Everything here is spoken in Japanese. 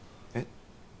えっ？